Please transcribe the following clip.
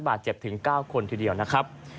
บาดเจ็บถึง๙คนทีเดียวนะครับ